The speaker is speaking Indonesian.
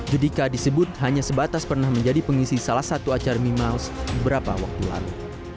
judika disebut hanya sebatas pernah menjadi pengisi salah satu acara memiles beberapa waktu lalu